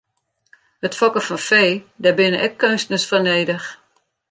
It fokken fan fee, dêr binne ek keunstners foar nedich.